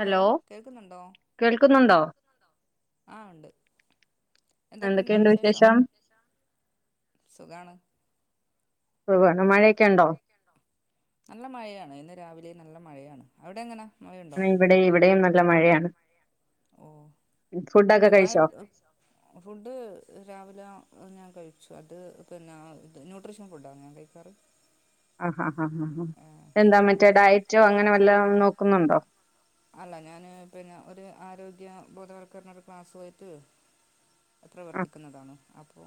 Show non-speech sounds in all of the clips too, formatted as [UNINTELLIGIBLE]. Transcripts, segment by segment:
Hello കേൾക്കുന്നുണ്ടോ ആ ഉണ്ട് എന്തൊക്കെണ്ട് വിശേഷം സുഖാണ് [UNINTELLIGIBLE] മഴയൊക്കെ ണ്ടോ നല്ല മഴയാണ് ഇന്ന് രാവിലെ നല്ല മഴയാണ് അവിടെങ്ങനാ? ഇവിടേം ഇവിടേം നല്ല മഴയാണ് ഓ [UNINTELLIGIBLE] എന്റെ ഫുഡൊക്കെ ഉമ്മ കഴിച്ചോ ഫുഡ് രാവിലെ ഞാൻ കഴി- പക്ഷ അത് പിന്നെ ന്യൂട്രീഷ്യൻ ഫുഡാണ് ഞാൻ കഴിക്കാറ് ആ ഹ ഹ ഹ ഹ ആ, എന്താ മറ്റേ അത് ഡയറ്റോ അങ്ങനെ വല്ലോം നോക്കുന്നുണ്ടോ അല്ല ഞാന് പിന്നെ ഒരു ആരോഗ്യ ബോധവൽക്കരണരു ക്ലാസ് ആയിട്ട്- അഹ് ആഹ് പ്രവർത്തിക്കുന്നതാണ് അപ്പൊ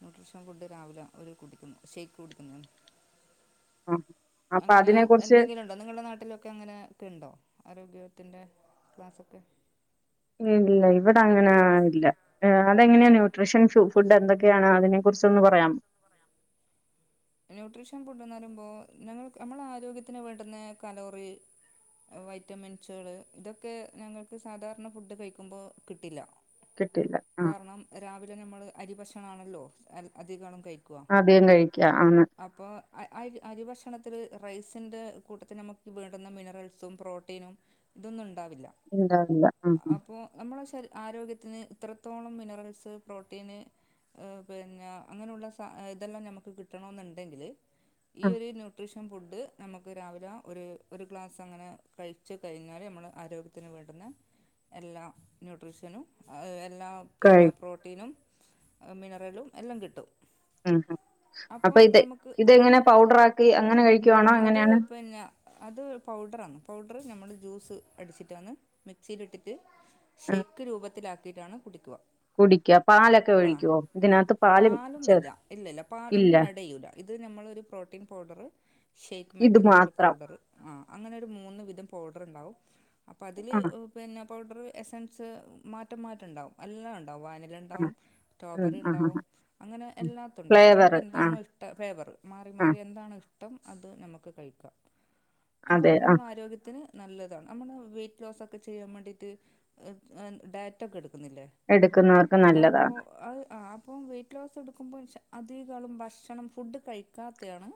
ന്യൂട്രീഷൻ ഫുഡ് രാവിലെ ഓര് കുടിക്കുന്നു ഷേ്ക്ക് കുടിക്കുന്നുണ്ട് ആഹ് അപ്പൊ അങ്ങനെ അതിനെ കുറിച്ച് എന്തെങ്കിലും ഉണ്ടോ നിങ്ങളുടെ നാട്ടിലൊക്കെ അങ്ങനെ ക്കെ ഉണ്ടോ ആരോഗ്യത്തിന്റെ ക്ലാസ്സൊക്കെ ഇല്ല ഇവിടെ അങ്ങനാ ഇല്ല ആ അതെങ്ങനെയാ ന്യൂട്രിഷൻ സു - ഫുഡ് എന്തൊക്കെയാണ് അതിനെ കുറിച്ചന്ന് പറയാമോ ന്യൂട്രീഷ്യൻ ഫുഡന്ന് പറയുമ്പോ ഞങ്ങൾ നമ്മളെ ആരോഗ്യത്തിന് വേണ്ടുന്ന കലോറി- വൈറ്റമിൻസുകള് ഇതൊക്കെ ഞങ്ങക്ക് സാധാരണ ഫുഡ് കഴിക്കുമ്പോ കിട്ടില്ല കിട്ടില്ല ആ- നമ്മള് അരി ഭക്ഷണ ആണല്ലോ അധിക- അധികം കഴിക്കുക അപ്പൊ അരി അരി ഭക്ഷണത്തില്- റൈസിന്റെ കൂട്ടത്തി നമുക്ക് വെണ്ടുന്ന മിനറൽസും പ്രോട്ടീനും ഇതൊന്നും- ഉണ്ടാവില്ല ഇണ്ടാവില്ല ആഹ് ആഹ് അപ്പോ നമ്മളെ ശൽ ആരോഗ്യ ഇന്ന് ഇത്രത്തോളം മിനറൽസ് പ്രോട്ടീന്- ഹ് പിന്ന ഇങ്ങനെഉള്ള സാ ഇതെല്ലാം നമ്മക്ക് കിട്ടണോന്ണ്ടെങ്കില് ആഹ് ഈയൊരു ന്യൂട്രീഷ് ഫുഡ്ഡ് നമ്മക്ക് രാവിലെ ഒരു ഒരു ഗ്ലാസങ്ങനെ കഴിച്ചു കഴിഞ്ഞാല് നമ്മളെആരോഗ്യത്തിന് വേണ്ടത് പിന്നെ എല്ലാ ന്യൂട്രീഷനും അഹ് എല്ലാ കഴി പിന്നെ പ്രോട്ടീനും മിനറലും എല്ലാം കിട്ടും ഉം അ അപ്പൊ അപ്പോൾ ഇത് നമുക്ക് ഇതെങ്ങനെ പൗഡറാക്കി അങ്ങനെ കഴിക് അത് പിന്നെ അത് പൗഡറാണ് പൗഡറ് നമ്മള് ജ്യൂസ് അടിച്ചിട്ടാന്ന് മിക്സിയിലിട്ടിട്ട് ഷെയ്ക്ക് രൂപത്തിലാക്കിട്ടാണ് കുടിക്കുക കുടിക്ക പാലൊക്കെ ഒഴിക്കോ ഇതിനകത്ത് ആ പാല് ചെർ പാലൊന്നുമില്ല ഇല്ലില്ല പാൽ ഇല്ല ഒന്നും ആഡ് ചെയ്യൂല ഇത് നമ്മള് ഒരു പ്രോട്ടീൻ പൗഡറ് ഷെയ്ക്ക് ഇത് മാറ്റുന്നുള്ളരു മാത്രം പൗഡറ് ആ അങ്ങനൊരു മൂന്ന് വിധം പൗഡറ്ണ്ടാവും അപ്പഅതില് ആ പിന്നെ പൗഡറ് എസൻസ് മാറ്റം മാറ്റണ്ടാവും എല്ലാംണ്ട് ആ ആവാനിലണ്ടാവും ഉം ആ സ്ട്രോബെറിണ്ടാവും ആ അങ്ങനെ എല്ലാത്ണ്ടാവും ഫ്ലേവർ ആ നമുക്കെന്താണോ ഇഷ്ടഫേവർ മാറി ആ മാറി എന്താണിഷ്ടം അത് നമ്മക്ക് കഴിക്കാ അതെ അപ്പോഅത് ആ നമ്മളെആരോഗ്യത്തിന് നല്ലതാണ് നമ്മള് വെയിറ്റ് ലോസൊക്കെ ചെയ്യാൻവേണ്ടീട്ട് ഡയറ്റൊക്കെടുക് ക്നില്ലേ എടുക്കുന്നവർക്ക് ആപ്പൊ നല്ലതാണ് അഹ് ആ അപ്പൊ വെയിറ്റ് ലോസെടുക്കുമ്പോ അധികകാലം ഭക്ഷണം ഫുഡ്ഡ് കഴിക്കാത്തെയാണ്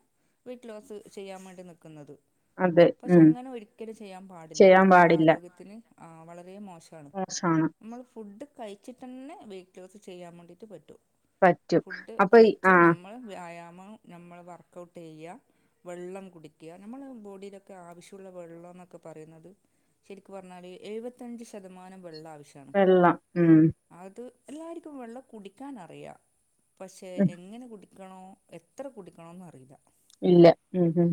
വൈറ്റ് ലോസ് ചെയ്യാം വേണ്ടി നിക്കുന്നത് അതെ പക്ഷെ ഉം അങ്ങനെ ഒരിക്കലും ചെയ്യാൻ പാടില്ല അത് ചെയ്യാൻ ഞമ്മളെ പാടില്ല ആരോഗ്യത്തിന് ആ വളരേ മോ ഷാണ് മോശാണ് മ്മള് ഫുഡ്ഡ് കഴിച്ചിട്ടെന്നെ വെറ്റ്ലോസ് ചെയ്യാംവേണ്ടീട്ട് പറ്റും പറ്റും ഫുഡ് അപ്പൊ ഈ കഴിച്ച് ആ നമ്മൾ വ്യായാമം നമ്മൾ വർക്കൗട്ട് ചെയ്യുക വെള്ളം കുടിക്ക നമ്മളെ ബോഡീലൊക്കെ ആവശ്യുള്ള വെള്ളംന്നൊക്കെ പറയുന്നത് ശരിക്ക് പറഞ്ഞാല് എഴുപത്തഞ്ച് ശതമാനം വെള്ള ആവശ്യാണ് വെള്ളം ഉം അത് എല്ലാർക്കും വെള്ളകുടിക്കാനറിയാ പക്ഷേ ഉം എങ്ങനെ കുടിക്കണോ എത്ര കുടിക്കണോന്നറീല്ല ഇല്ല ഉം ഉം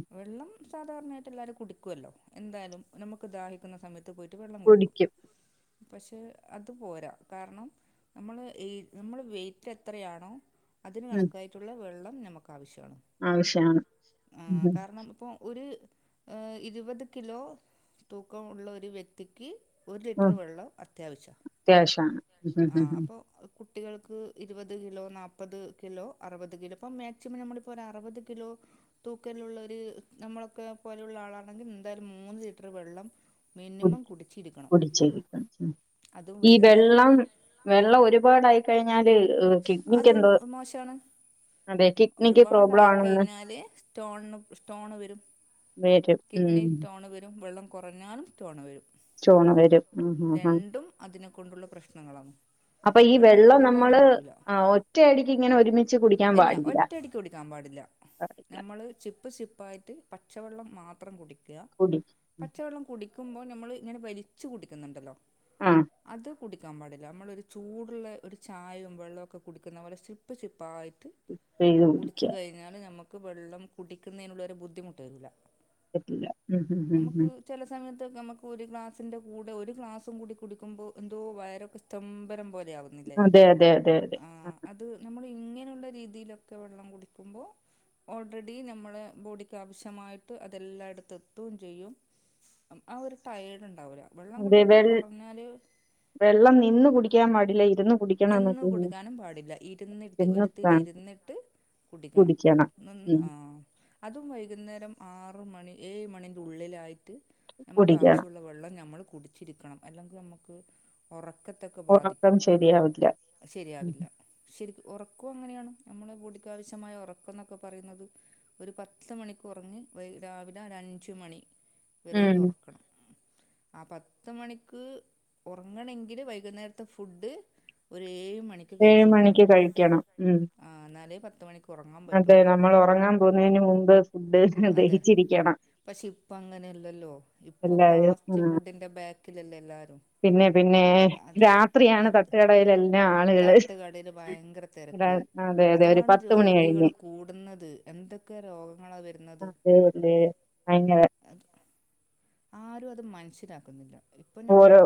സാധാരണായിട്ടെല്ലാരും കുടിക്കൊല്ലോ എന്താലും നമ്മക്ക് ദാഹിക്കുന്നസമയത്ത് പോയി ട്ട് വെള്ളംകുടിക്കും കുടിക്കും പക്ഷെ അത് പോരാ കാരണം നമ്മള് ഈ നമ്മള് വെറ്റ് എത്രയാണോ അതിന് ഉം കണക്കായിട്ടുള്ള വെള്ളം നമ്മക്കാവിശ്യാണ് ആവശ്യാണ് ആ ഉം ഉം കാരണം പ്പൊ ഓര് ഏ ഇരുപത് കിലോ തൂക്കമുള്ള ഒര് വ്യക്തിക്ക് ഒരു ഉം ലിറ്റ്റ് വെള്ളം അത്യാവിശ്യ അത്യാവശ്യാണ് ഉം ഉം ഉം കുട്ടികൾക്ക് ഇരുപത് കിലോ നാപത് കിലോ അറുപത് കിലോ ഇപ്പോം മാക്സിമം നമ്മളിപ്പോരു അറുപത് കിലോ തൂക്കലുള്ളൊര് നമ്മളൊക്കെ പോലുള്ള ആളാണെങ്കി ന്താലും മൂന്ന് ലിറ്റ്റ് വെള്ളം മിനിമം കുടിക്കും കുടിച്ചിരിക്കണം കുടിച്ചിരിക്കണം അതും ഈ വൈകുന്നേരം വെള്ളം വെള്ളം ഒരുപാടായി കഴിഞ്ഞാല് ഈ അതും കിഡ്നിക്കെന്തോ മോശമാണ് ഒരുപാടായി കഴിഞ്ഞാല് സ്റ്റോണ് സ്റ്റോണ് വരും വരും ഉം കൊറഞ്ഞാലും സ്റ്റോണ് വരും ചോണ് വരും ഉം ഉം ഉം രണ്ടും അതിനെ കൊണ്ടുള്ള പ്രശ്നങ്ങളാണ് അപ്പൊ ഈ വെള്ളം കൂടാനും നമ്മള് പറ്റില്ല ആ ഒറ്റയടിക്ക് ഇങ്ങനെ ഒരുമിച്ച് കുടിക്കാൻ പാടില്ലാ നമ്മള് ചിപ്പ് ശിപ്പായിട്ട് പച്ചവെള്ളം മാത്രം കുടിക്ക കുടി പച്ചവെള്ളം കുട് ക്കുമ്പോ നമ്മള് ഇങ്ങനെ വലിച്ച് കുടിക്കുന്നുണ്ടല്ലോ ആ അത് കുടിക്കാൻ പാടില്ല നമ്മളൊരു ചൂട്ള്ള ഒരു ചായയും വെള്ളവൊക്കെ കുടിക്കുന്ന പോലെ ശിപ്പ് ശിപ്പായി ചെയ്ത് കുടിച്ച് കുടിക്കുക കഴിഞ്ഞാല് ഞമ്മക്ക് വെള്ളം കുടിക്കുന്നെനുള്ളൊരു ബുദ്ധിമുട്ടരൂല്ല. പറ്റൂല ഉം ഉം ഉ ഉ അതൊക്കെ മ്മക്ക് ഒരുഗ്ലാസിന്റെ കൂടെ ഒരു ഗ്ലാസുംകൂടി കുടിക്കുമ്പോ എന്തോ വയറൊക്കെ സ്തംഭനംപോലെ തെ ആവുന്നില്ലേ. അതെ അതെ അതെ. ഇങ്ങനുള്ള രീതിയിലൊക്കെ വെള്ളം കുടിക്കുമ്പോ ഓൾറെഡിനമ്മളെ ബോഡിക്കാവശ്യമായിട്ട് അതെല്ലായിടത്ത്ത്തെതും ചെയ്യും. ആ ഒരു ടയേർഡ്ണ്ട്. അതെ വെൾ വെള്ളം നിന്ന് കുടിക്കാൻ പടില്ല ഇരുന്നു. നിന്ന്കൊടുക്കാനുംപാടില്ല. ഇരുന്നിട്ട് ഇരുന്ന് ആ ഒരുത്തിൽരുന്നിട്ട് കുടിക്കണം നിന്ന് ആ അതുംവൈകുന്നേരംആറ് ആറ്മണി ഏഴ്മണിൻ്റെ ഉള്ളിലായിട്ട് ഞമക്ക് കുടിക്കണം ആവശ്യുള്ള വെള്ളം ഞമ്മള് കുടിച്ചിരിക്കണം. അല്ലെങ്കിൽമ്മക്ക് ഒറക്കത്തൊക്കെ ഉറക്കം ബാധിക്കും. ശരിയാവില്ല ഉം ശരിയാവില്ല. ശരിക്ക ഒറ ഉറക്കൊക്കെങ്ങനെയാണ് മ്മളെപൊടിക്കാവിശ്യമായ ഉറക്കന്നൊക്കെ പറയുന്നത് ഒരു പത്ത്മണിക്കുറങ്ങി വൈ രാവിലെരഞ്ച്മണി ഉം. വരെഒറക്കണം ആ പത്ത്മണിക്ക് ഒറങ്ങണങ്കില് വൈകുന്നേരത്തെഫുഡ് ഒരേ ഏഴ്മണിക്ക് കഴിക്കണം ഉം ആ എന്നാലേ പത്ത് മണിക്ക് ഉറങ്ങാൻ പറ്റുള്ളൂ അതെനമ്മൾ ഒറങ്ങാൻ പോവുന്നെന്മുമ്പ് ഫുഡ് ദഹിച്ചിരിക്കണം പക്ഷെപ്പ അങ്ങനെല്ലല്ലോ ഇപ്പൊ എല്ലാരും ഫാസ്റ്റ്ഫുഡിന്റെ ബാക്കിലല്ലേ എല്ലാരും പിന്നെപിന്നെ രാത്രിയാണ് തട്ടുകടയിലെല്ലാം ആളുകള് തട്ടുകടേൽ ഭയങ്കര തെരക്ക് ര- അതെ അതെ ഒരു അതാണ് പത്ത് മണി കഴിഞ്ഞ് രോഗികള്കൂടുന്നത് എന്തൊക്കെരോഗങ്ങളാവരുന്നത് അതെ അതെ അങ്ങനെ അത് ആരുംഅത് മൻസിലാക്കുന്നില്ല ഓരോ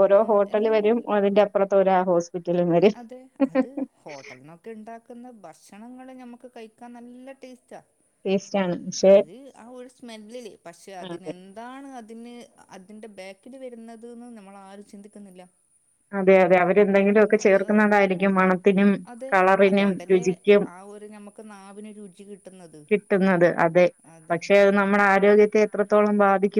ഓരോ എൽ ഹോട്ടല് വരും അതിന്റെപ്പുറത്ത് ഒരാ ഹോസ്പിറ്റലും വരും അതെ അത് ഹോട്ടൽന്നൊക്കെണ്ടാക്കുന്ന ഭ ഭക്ഷണങ്ങള്ഞമ്മക്ക് കഴിക്കാൻ നല്ല ടേസ്റ്റാ ടേസ്റ്റ് ആണ് പക്ഷെ ഒരു ആ ഒരു സ്മെല്ല്ല് പക്ഷെ അതെ അതിനെന്താണ് അതിന് അതിന്റെബാക്കില് വരുന്നുന്നത്ന് നമ്മളാരും ചിന്തിക്കുന്നില്ല അതെ അതെ അവരെന്തെങ്കിലൊക്കെ അത്എന്തൊക്കിലൊക്കെ അതെ കളറിനും അതൊണ്ടല്ലേ രുചിക്കും ആ ഒരു ഞമക്ക് നാവിന് രുചി കിട്ട കിട്ടുന്നത് അതെ പക്ഷെത് നമ്മളെ ആരോഗ്യത്തെഎത്രത്തോളം ബാധിക്കും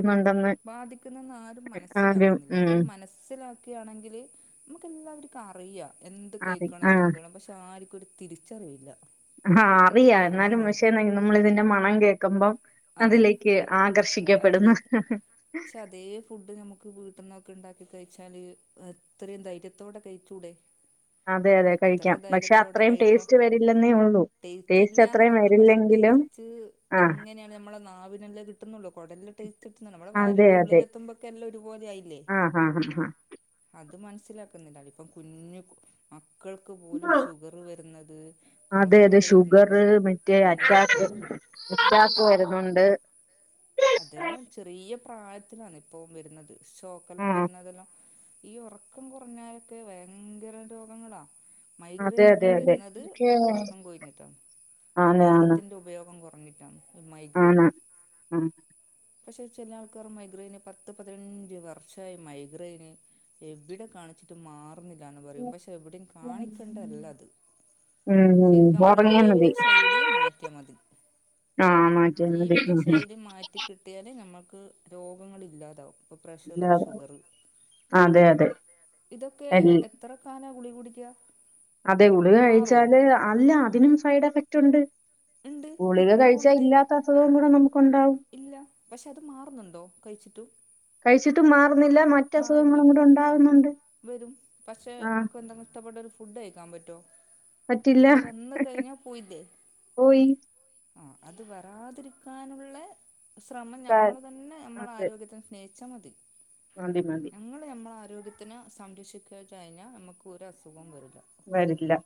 ബാധിക്കുന്നെന്നാരും ആരും മനസ്സിലാക്കുന്നില്ല അത് ഉം മനസ്സിലാക്കിയാണെങ്കില് നമുക്കെല്ലാവർക്കും അറിയാ എന്ത് അറി കഴിക്കണം ആ എങ്ങനെകഴണം പക്ഷെ ആർക്കൊരു തിരിച്ചറിവില്ല. ആ അറിയാ ആഹ് എന്നാലുംപക്ഷേ നമ്മള്തിന്റെ മണം കേക്കുമ്പം അതെ അതിലേക്ക് ആകർഷിക്കപ്പെടുന്നു അതിലേക്ക് ക്ഷെ അതേ ഫുഡ് ഞമുക്ക് വീട്ട്ന്നൊക്കെ ക്കണ്ടാക്കി കഴിച്ചാല് അത്രയും ധൈര്യത്തോടെ കഴിച്ചൂടെ. അതെ അതെ എത്ര കഴിക്കാം. പക്ഷെ അത്രയുംടേസ്റ്റ് വരില്ലെന്നേ ഉള്ളൂ. ടേസ്റ്റ് അത്രയും ടേസ്റ്റില്ലാന്നെല്ലുള്ളൂ പക്ഷെ വരില്ലെങ്കിലും ടേസ്റ്റ് ആഹ് എങ്ങനെയാണ്ഞമ്മളെ നാവിനല്ലെ കിട്ടുന്നുള്ളൂ. [UNINTELLIGIBLE] കൊടലിട്ട്ിച്ചിട്ടുന്ന നമ്മടെ അതെ വയറിന്റെ അതെ ഉള്ളിലെത്തുമ്പോക്കെല്ലാം ഒരുപോലെയായില്ലേ ആഹ് ആഹ് ആഹ് ആ അത് മനസ്സിലാക്കുന്നില്ല. ഇപ്പകുഞ്ഞു മക്കൾക്ക് പോലുംഷുഗറ് വരുന്നത് അതെ അതെ കൊളസ്ട്രോള് ഷുഗർ വരുന്നത് മറ്റേ പിന്നെ അറ്റാക്ക് അറ്റാക്ക് വരുന്നുണ്ട്. അതെല്ലാംചെറിയ പ്രായത്തിലാണ്. ഇപ്പോവരുന്നത് ഷോക്കെല്ലാം ആഹ് വരുന്നതെല്ലാം. ഈ ഒറക്കംകുറഞ്ഞാലൊക്കെ ഭയങ്കര രോഗങ്ങളാ. അതെ അതെ അതെ മൈഗ്രെയിനൊക്കെവരുന്നത് ഒറക്കം കൊഴിഞ്ഞിട്ടാണ് ആണ് ആണ് വെള്ളത്തിന്റെ ഉപയോഗംകുറ ഞ്ഞിട്ടാണ്. ആണ് ആ പക്ഷെ ചിലാൾക്കാരെമൈഗ്രൈന് പത്ത് പതിനഞ്ച് വർഷായി മൈഗ്രെയിന് എവിടെ കാണിച്ചിട്ട് മാറുന്നില്ലന്ന് പറയും പക്ഷെ എവിടയും ഉം കാണിക്കണ്ടല്ല അത് ശരിക്കും ഉം നമ്മുടെ ഉറങ്ങിയാ ജീവിത ശൈലി മാറ്റിയാ മതി ആ മാറ്റന്നത് ജീവിത ഉം ഉം ശൈലി മാറ്റി കിട്ടിയാലേ നമ്മുക്ക് രോഗങ്ങള് ഇല്ലാതാവും ഇപ്പോൾ പ്രഷർ ല്ല ഷുഗർ അതെ അതെ ഇതൊക്കെ എല്ല എത്ര കാന ഗുളി കുടിക്കാ അതെ ഉളക് കഴിച്ചാല് അല്ല അതിനും സൈഡ് എഫക്റ്റ് ഉണ്ട് ഉണ്ട് ഗുളിക കിഡ്നി കഴിച്ചാ പോകുന്നില്ലേ ഇല്ലാത്ത അസുഖവും കൂടെ നമുക്ക് ഉണ്ടാവും ഇല്ല പക്ഷെ അത് മാറുന്നുണ്ടോ കഴിച്ചിട്ടും കഴിച്ചിട്ട് മാ മാറില്ല വരും പക്ഷെ ആഹ് നമുക്ക് എന്തെങ്കിലും ഇഷ്ടപ്പെടരു ഫുഡ് കഴിക്കാൻ പറ്റുമോ പറ്റില്ല അത് വന്ന് കഴിഞ്ഞാ പോയില്ലേ പോയി ആ അത് വരാതിരിക്കാനുള്ള ശ്രമം കാ നമ്മൾ തന്നെ നമ്മള് അതെ. ആരോഗ്യത്തെ സ്നേ ച്ചമതി മതി മതി. ഞങ്ങൾ നമ്മള ആരോഗ്യത്തിന് സംരക്ഷിക്ക കഴിഞ്ഞാൽ നമ്മുക്ക് ഒരു അസുഖം വരില്ല വരില്ല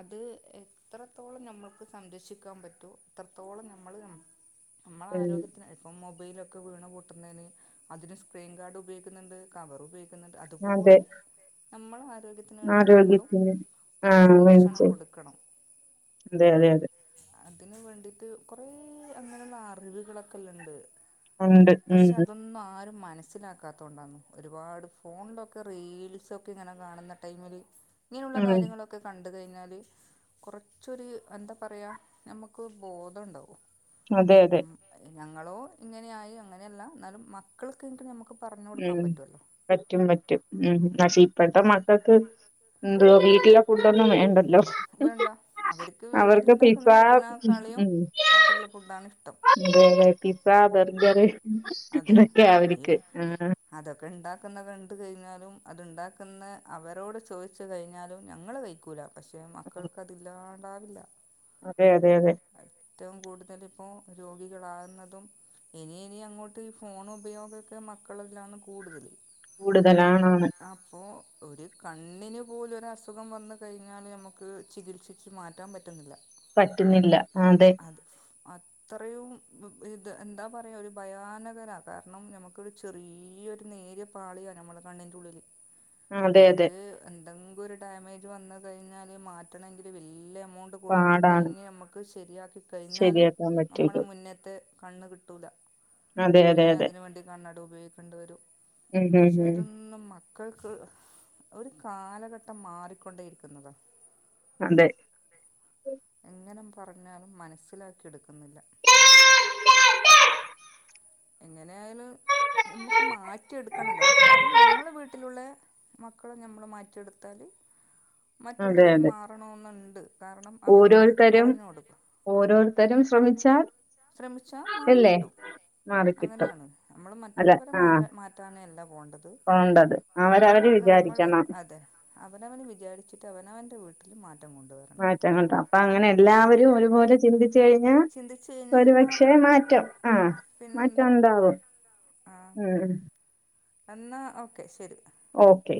അത് എത്രത്തോളം നമ്മൾക്ക് സംരക്ഷിക്കാൻ പറ്റോ എത്രത്തോളം നമ്മള് നമ്മൾ ഉം. ആരോഗ്യത്തിന് ഇപ്പം മൊബൈലൊക്കെ വീണ് പൊട്ടുന്നതിന് അതിന് സ്ക്രീൻ കാർഡ് ഉപയ് കുന്നുണ്ട് കവറ് ഉപയോഗിക്കുന്നുണ്ട് അതെ. അതുപോലെ നമ്മള ആരോഗ്യത്തിന് വേണ്ടിട്ട് നമ്മളും ആരോഗ്യത്തിന് ഒരു ആഹ് സംരക്ഷണം മേടിച്ച്. കൊടുക്കണം അതെ അതെ അതെ അതിന് വേണ്ടീട്ട് കുറെ അങ്ങനെയുള്ള അറിവുകളൊക്കെല്ലുണ്ട് ഉണ്ട്. ഉം. പക്ഷെ അതൊന്നും ആരും മനസ്സിലാക്കാ തൊണ്ടാന്നു ഒരുപാട് ഫോണിലൊക്കെ റീൽസൊക്കെ ഇങ്ങനെ കാണുന്ന ടൈമില് ഇങ്ങനെയുള്ള ഉം. കാര്യങ്ങളൊക്കെ കൺ ണ്ട് കഴിഞ്ഞാൽ കുറച്ചൊരു എന്താ പറയുക നമുക്ക് ബോധം ഉണ്ടാവും അതെ അതെ. ഞങ്ങളോ ഇങ്ങനെയായി അങ്ങനെയല്ല എന്നാലും മക്കൾക്കെങ്കിലും നമ്മുക്ക് ഉം പറ്റും പറ്റും ഉം പക്ഷെ ഇപ്പത്തെ മക്കൾക്ക് എന്താ ഈ ല്ല ഫുഡ് ഒന്നും വേണ്ടല്ലോ വേണ്ട അവർക്ക് വീട്ടിലുണ്ടാക്കുന്ന ഫുഡിന കളിയും ഹോട്ടലില് ഫുഡാണ് ഇഷ് അതേ പിസ ബർഗർ അതെ ഇതൊക്കെയ അവനിക്ക് ആ കുന്ന കണ്ട് കഴിഞ്ഞാലും അതുണ്ടാക്കുന്ന അവരോട് ചോദിച്ചു കഴിഞ്ഞാലും ഞങ്ങൾ കഴിക്കൂല പക്ഷെ മക്കൾക്ക് അതില്ലാണ്ടാവില്ല അതെ അതെ അതെ ഏറ്റവും കൂടുതൽ പ്പോ രോഗികളാകുന്നതും ഇനി ഇനി അങ്ങോട്ട് ഈ ഫോൺ ഉപയോഗമൊക്കെ മക്കളതിലാണ് കൂടുതൽ കൂടുതലാണാണ് അപ്പോൾ ഒരു കണ്ണിന് പോലൊ ഒരു അസുഖം വന്ന് കഴിഞ്ഞാൽ നമുക്ക് ചികിത്സിച്ച് മാറ്റാൻ പറ്റുന്നില്ല പറ്റുന്നില്ല അതെ അത് അത്രയും ഇത് എന്താ പറയുക ഒരു ഭയാനകരാണ് കാരണം നമുക്കൊരു ചെറിയൊരു നേരിയ പാളിയാണ് നമ്മൾ കണ്ണി ഉള്ളിൽ അതെ അതെ അതൊക്കെ എന്തെങ്കിലും ഒരു ഡാമേജ് വന്ന കഴിഞ്ഞാല് മാറ്റണമെങ്കിൽ വലിയ എമൗണ്ട് കൊടുത്ത് പാടാണ് കഴിഞ്ഞ് നമുക്ക് ക്ക് ശരിയാക്കി കഴിഞ്ഞാലും ശരിയാക്കാൻ നമ്മള പറ്റുള്ളൂ മുന്നേത്തെ കണ്ണ് കിട്ടൂല അതെ അതെ പിന്നെ അതെ അതിന് വേണ്ടി കണ്ണട ഉപയോഗിക്കേണ്ടി വരും ഉം ഉം ഉം ശതൊന്നും മ മക്കൾക്ക് ഒരു കാലഘട്ടം മാറിക്കൊണ്ടേയിരിക്കുന്നതാ അതെ എങ്ങനെ പറഞ്ഞാലും മനസിലാക്കിയെടുക്കുന്നില്ല എങ്ങനെ ആയാലും നമ്മുക്ക് മാറ്റിയെടുക്കണല്ലോ കാരണം ഞമ്മളെ വീട്ടിലുള്ള മക്കളെ നമ്മള് മാറ്റിയെടുത്താൽ അതെ മറ്റുള്ളവര് അതെ മാറണോന്ന്ണ്ട് കാരണം അവരും പോയിട്ട് ഓരോരുത്തരും പറഞ്ഞു കൊടുക്കാം ഓരോരുത്തരും ശ്രമിച്ചാൽ ശ്രമിച്ചാ അല്ലേ മാറിക്കിട്ടും മാറിക്കിട്ടും അങ്ങനെയാണ് നമ്മള് അല്ല മറ്റുള്ളവരെ ആ മാ മാറ്റാനെല്ല പോണ്ടത് പോണ്ടത് മ്മള് അവരവര് നമ്മള് വിചാരിക്കണം അതെ അവനവൻ വിചാരിച്ചിട്ട് അവനവന്റെ വീട്ടി മാറ്റങ്ങൾ താ അപ്പൊ ങ്ങനെ എല്ലാവരും ഒരുപോലെ ചിന്തിച്ച കഴിഞ്ഞാ ചിന്തിച്ചു കഴിഞ്ഞാൽ ഒരുപക്ഷെ മാറും മാറ്റം ആഹ് മാറ്റം പിന്നെന്താ ണ്ടാവും ഉം എന്നാ ഓക്കെ ശരി ഓക്കേ